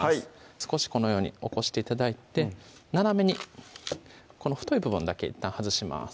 少しこのように起こして頂いて斜めにこの太い部分だけいったん外します